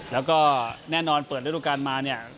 แล้วก็แน่นอนเปิดฤดูการมาเนี่ย